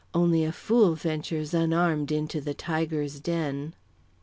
Only a fool ventures unarmed into the tiger's den.